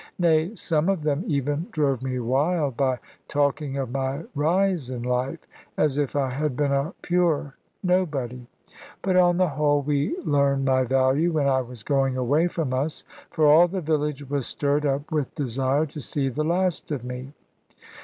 Nay, some of them even drove me wild, by talking of my "rise in life," as if I had been a pure nobody! But on the whole we learned my value, when I was going away from us. For all the village was stirred up with desire to see the last of me.